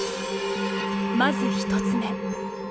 まず１つ目。